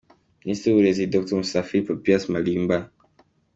Minisitiri w’Uburezi : Dr Musafili Papias Malimba